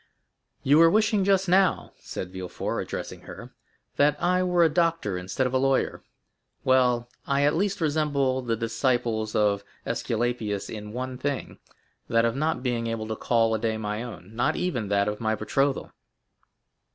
"You were wishing just now," said Villefort, addressing her, "that I were a doctor instead of a lawyer. Well, I at least resemble the disciples of Esculapius in one thing [people spoke in this style in 1815], that of not being able to call a day my own, not even that of my betrothal."